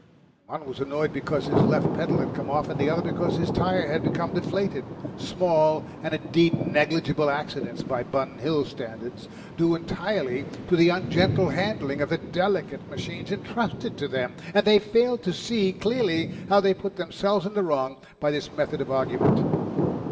One was annoyed because his left pedal had come off, and the other because his tyre had become deflated, small and indeed negligible accidents by Bun Hill standards, due entirely to the ungentle handling of the delicate machines entrusted to them and they failed to see clearly how they put themselves in the wrong by this method of argument.